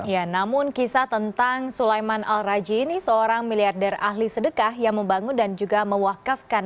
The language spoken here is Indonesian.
ya namun kisah tentang sulaiman al rajin seorang miliarder ahli sedekah yang membangun dan juga mewakafkan